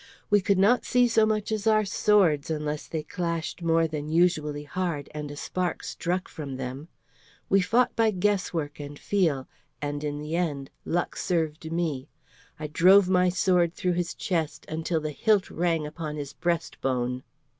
We could not see so much as our swords unless they clashed more than usually hard, and a spark struck from them. We fought by guesswork and feel, and in the end luck served me. I drove my sword through his chest until the hilt rang upon his breast bone."